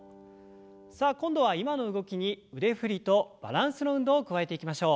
さあ今度は今の動きに腕振りとバランスの運動を加えていきましょう。